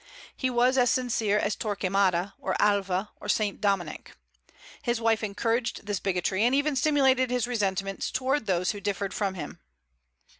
He was as sincere as Torquemada, or Alva, or Saint Dominic. His wife encouraged this bigotry, and even stimulated his resentments toward those who differed from him.